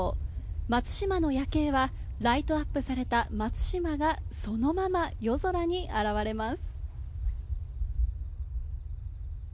松島の夜景はライトアップされた松島がそのまま夜空に現れます。